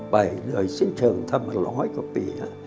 เหนื่อยสิ้นเชิงถ้ามันร้อยกว่าปี